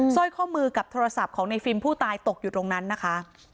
สร้อยข้อมือกับโทรศัพท์ของในฟิล์มผู้ตายตกอยู่ตรงนั้นนะคะ